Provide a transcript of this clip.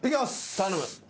頼む。